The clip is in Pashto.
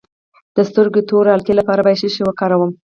د سترګو د تورې حلقې لپاره باید څه شی وکاروم؟